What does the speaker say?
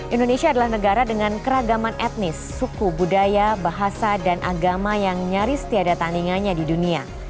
indonesia adalah negara dengan keragaman etnis suku budaya bahasa dan agama yang nyaris tiada tandingannya di dunia